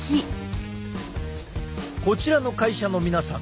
こちらの会社の皆さん